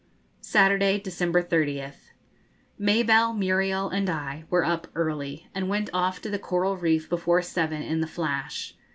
Saturday, December 30th. Mabelle, Muriel, and I, were up early, and went off to the coral reef before seven in the 'Flash.'